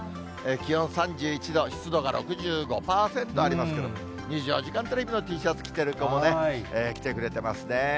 気温３１度、湿度が６５％ありますけども、２４時間テレビのＴシャツ着てる子もね、来てくれてますね。